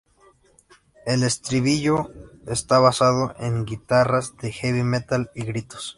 El estribillo está basado en guitarras de heavy metal y gritos.